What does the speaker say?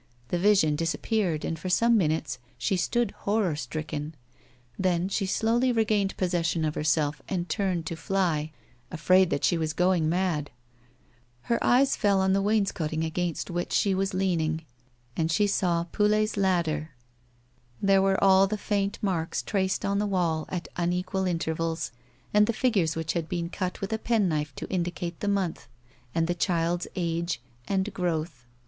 The vision disappeared and for some minutes she stood horror stricken ; then she slowly regained possession of herself and turned to fly, afraid that she was lioing mad. Her eyes fell on the wainscotting against wliich •24S A WOMAN'S LIFE. she was leaning and she saw Poulet's ladder. There were all the faint marks traced on the wall at unequal intervals and the figures which had been cut with a penknife to indicate the month, and the child's age and growth.